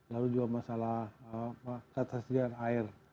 lalu juga masalah ketersediaan air